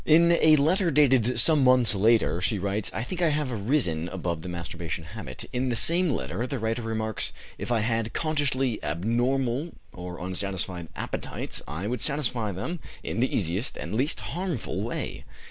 In a letter dated some months later, she writes: "I think I have risen above the masturbation habit." In the same letter the writer remarks: "If I had consciously abnormal or unsatisfied appetites I would satisfy them in the easiest and least harmful way."